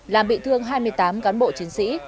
làm bị thương hai mươi tám cán bộ chiến sĩ